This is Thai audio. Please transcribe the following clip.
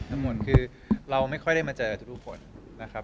ทั้งหมดคือเราไม่ค่อยได้มาเจอทุกคนนะครับ